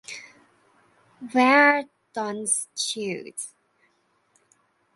Where are Dunn's shoes?